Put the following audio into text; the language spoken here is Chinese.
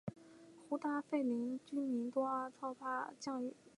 胡达费林县居民多操阿塞拜疆语。